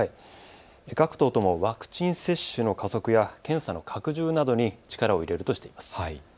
各党ともワクチン接種の加速や検査の拡充などに力を入れるとしています。